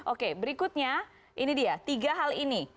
oke berikutnya ini dia tiga hal ini